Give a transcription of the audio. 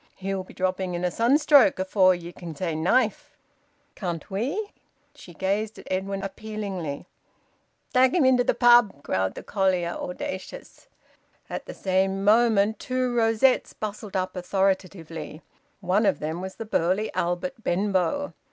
He'll be dropping in a sunstroke afore ye can say knife." "Can't we?" She gazed at Edwin appealingly. "Tak' him into a pub!" growled the collier, audacious. At the same moment two rosettes bustled up authoritatively. One of them was the burly Albert Benbow.